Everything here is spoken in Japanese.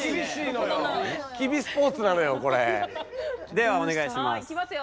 ではお願いします。